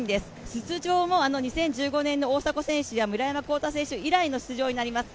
出場も、あの２０１５年のあの大迫選手や村山紘太選手以来の出場になります。